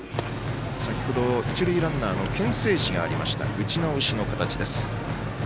一塁ランナーのけん制死がありました、打ち直しの形です。